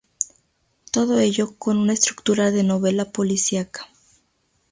Todo ello con una estructura de novela policiaca.